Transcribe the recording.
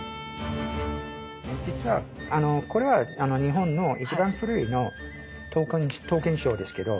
実はこれは日本の一番古い刀剣書ですけど。